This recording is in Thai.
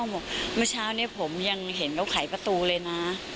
บอกเมื่อเช้านี้ผมยังเห็นเขาไขประตูเลยนะ